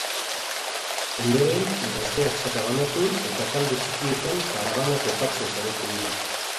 Ondoren, gazteak sakabanatu eta talde txikietan karabana topatzen saiatu dira.